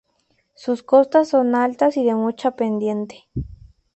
Sus costas son altas y de mucha pendiente.